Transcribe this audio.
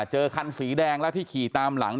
คันสีแดงแล้วที่ขี่ตามหลัง